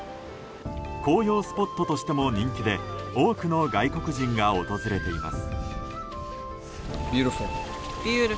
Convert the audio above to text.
紅葉スポットとしても人気で多くの外国人が訪れています。